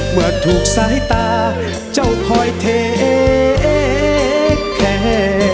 เมื่อถูกสายตาเจ้าคอยเท